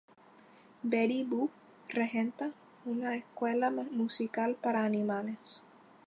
Betty Boop regenta una escuela musical para animales.